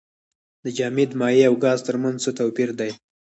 د جامد مایع او ګاز ترمنځ څه توپیر دی.